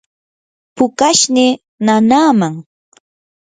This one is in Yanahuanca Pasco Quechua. pukashnii nanaaman.